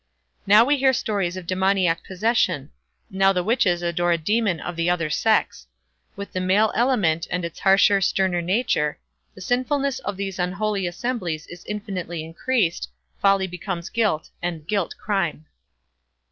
Now we hear stories of demoniac possession; now the witches adore a demon of the other sex. With the male element, and its harsher, sterner nature, the sinfulness of these unholy assemblies is infinitely increased; folly becomes guilt, and guilt crime.